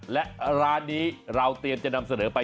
และร้านนี้เราเตรียมจะนำเสนอไป